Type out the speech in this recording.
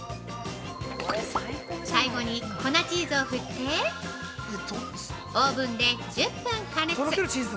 ◆最後に粉チーズを振ってオーブンで１０分加熱。